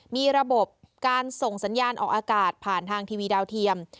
มีระบบการส่งสัญญาณออกอากาศผ่านทางทีวีดาวเทียม